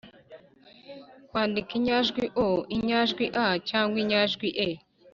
-kwandika inyajwi o, inyajwi a cyangwa inyajwi e